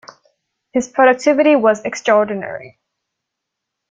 His productivity was extraordinary.